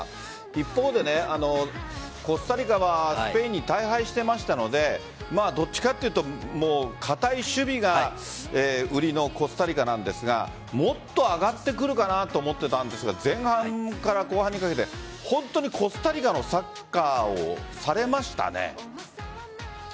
一方でコスタリカはスペインに大敗してましたのでどっちかというと堅い守備が売りのコスタリカなんですがもっと上がってくるかなと思っていたんですが前半から後半にかけて本当にコスタリカのサッカーをされましたね。